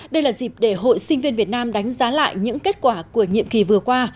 đây là dịp để hội sinh viên việt nam đánh giá lại những kết quả của nhiệm kỳ vừa qua